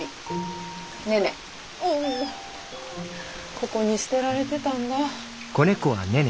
ここに捨てられてたんだ。